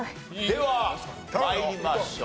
では参りましょう。